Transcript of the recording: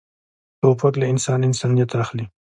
توپک له انسان انسانیت اخلي.